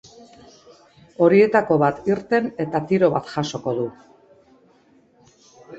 Horietako bat irten eta tiro bat jasoko du.